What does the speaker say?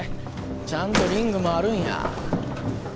ちゃんとリングもあるんや。